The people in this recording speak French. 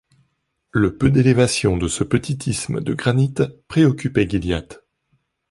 Le peu d’élévation de ce petit isthme de granit préoccupait Gilliatt.